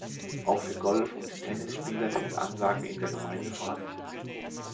Auch für Golf- und Tennisspieler sind Anlagen in der Gemeinde vorhanden.